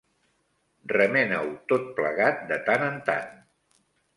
Remena-ho tot plegat de tant en tant.